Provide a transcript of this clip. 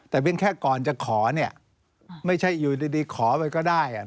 แต่เพียงแค่ก่อนจะขอเนี่ยไม่ใช่อยู่ดีขอไปก็ได้